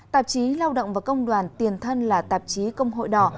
tạp chí lao động và công đoàn tiền thân là tạp chí công hội đỏ